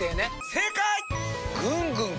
正解！